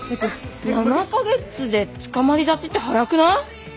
７か月でつかまり立ちって早くない？